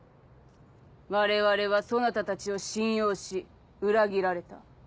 我々はそなたたちを信用し裏切られた。